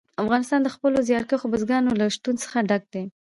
افغانستان د خپلو زیارکښو بزګانو له شتون څخه ډک دی.